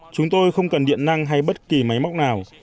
chúng tôi không cần điện năng hay bất kỳ máy móc nào